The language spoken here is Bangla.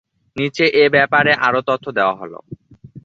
নিচে এই ব্যাপারে আরও তথ্য দেয়া হলঃ